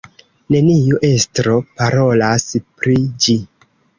Neniu estro parolas pri ĝi.